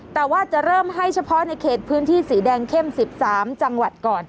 แต่ว่าจะเริ่มให้เฉพาะในเขตพื้นที่สีแดงเข้ม๑๓จังหวัดก่อน